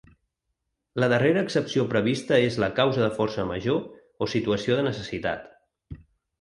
La darrera excepció prevista és la “causa de força major o situació de necessitat”.